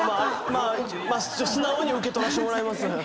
まあ素直に受け取らせてもらいます。